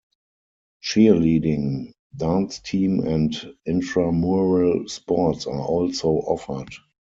Cheerleading, dance team and intramural sports are also offered.